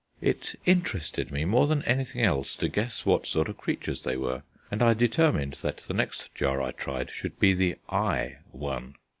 It interested me more than anything else to guess what sort of creatures they were, and I determined that the next jar I tried should be the Eye one.